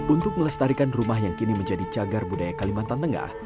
untuk melestarikan rumah yang kini menjadi cagar budaya kalimantan tengah